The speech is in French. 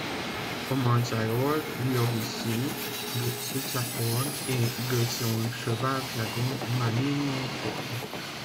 Commence alors l'odyssée de Sudsakorn et de son cheval-dragon Ma Nim Mongkorn...